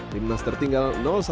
timnas tertinggal satu